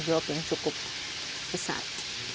job yang cukup besar